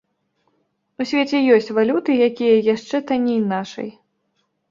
У свеце ёсць валюты, якія яшчэ танней нашай.